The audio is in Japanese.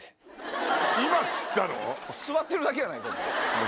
座ってるだけやないか。